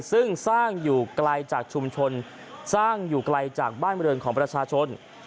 ซึ่งสร้างอยู่ไกลจากชุมชนสร้างอยู่ไกลจากบ้านบริเวณของประชาชน